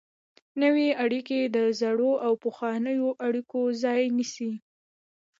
نوې اړیکې د زړو او پخوانیو اړیکو ځای نیسي.